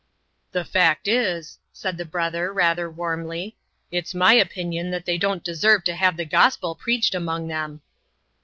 "The fact is," said the brother, rather warmly, "it's my opinion that they don't deserve to have the gospel preached among them."